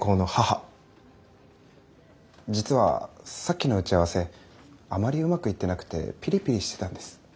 実はさっきの打ち合わせあまりうまくいってなくてピリピリしてたんです。